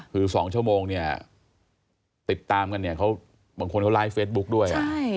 คือ๒ชั่วโมงเนี่ยติดตามกันเนี่ยเขาบางคนเขาไลฟ์เฟซบุ๊กด้วย